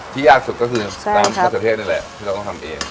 ที่ยากสุดก็คือใช่ครับน้ำสต๊อกเทศนี่แหละที่เราต้องทำเอง